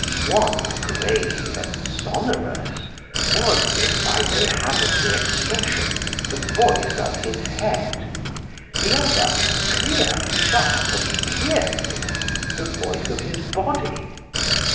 One grave and sonorous, was, if I may hazard the expression, the voice of his head: the other, clear, sharp, and piercing, the voice of his body.